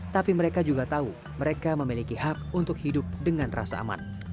tapi mereka juga tahu mereka memiliki hak untuk hidup dengan rasa aman